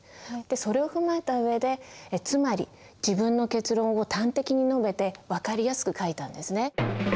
それを踏まえた上で「つまり」自分の結論を端的に述べて分かりやすく書いたんですね。